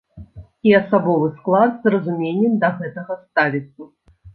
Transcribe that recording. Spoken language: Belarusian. І асабовы склад з разуменнем да гэтага ставіцца.